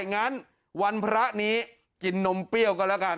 งั้นวันพระนี้กินนมเปรี้ยวกันแล้วกัน